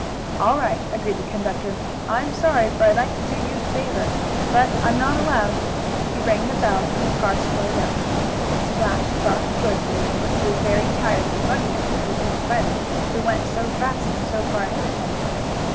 "All right," agreed the conductor. "I'm sorry, for I'd like to do you the favor, but I'm not allowed." He rang the bell, and the car slowed up. Splash barked joyfully, for he Was very tired from running after his little friends, who went so fast and so far ahead of him.